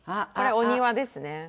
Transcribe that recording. これお庭ですね。